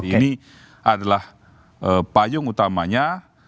ini adalah payung utamanya